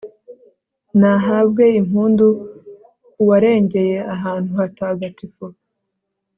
nahabwe impundu uwarengeye ahantu hatagatifu